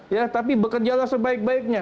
ya tapi bekerjalah sebaik baiknya